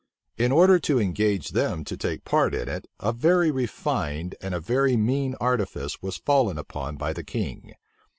In order to engage them to take part in it, a very refined and a very mean artifice was fallen upon by the king.